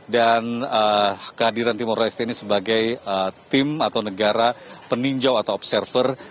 dan kehadiran timor leste ini sebagai tim atau negara peninjau atau observer